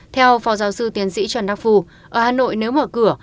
theo phó giáo sư tiến sĩ trần đắc phu ở hà nội nếu mở cửa